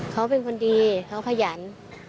เขาเป็นคนดีเขาขยัน